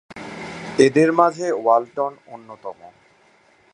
এদের মাঝে ওয়ালটন অন্যতম।